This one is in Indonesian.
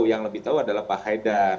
yang lebih tahu adalah pak haidar